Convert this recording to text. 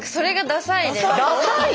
ダサい